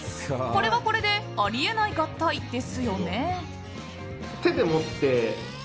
これはこれであり得ない合体ですよね。